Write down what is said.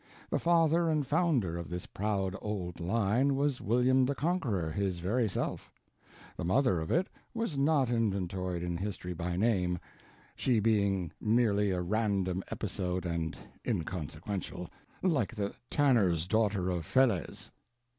The father and founder of this proud old line was William the Conqueror his very self; the mother of it was not inventoried in history by name, she being merely a random episode and inconsequential, like the tanner's daughter of Falaise.